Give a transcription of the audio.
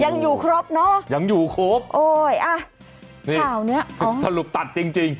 ยังอยู่ครบเนอะยังอยู่ครบโอ้ยอ่ะนี่ข่าวเนี้ยสรุปตัดจริงจริง